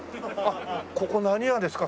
ここ何屋ですか？